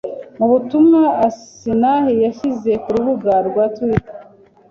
Mu butumwa Asinah yashyize ku rubuga rwa Twitter